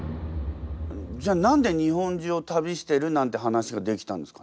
じゃあ何で日本中を旅してるなんて話ができたんですかね？